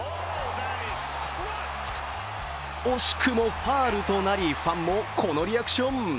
惜しくもファウルとなりファンもこのリアクション。